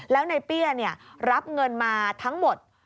แล้วในเปี้ยรับเงินมาทั้งหมด